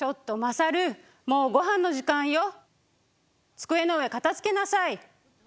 机の上片づけなさい！